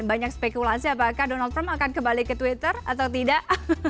banyak spekulasi apakah donald trump akan kembali ke twitter atau tidak